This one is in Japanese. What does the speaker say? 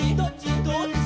「どっち」